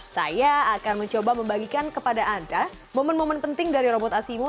saya akan mencoba membagikan kepada anda momen momen penting dari robot asimo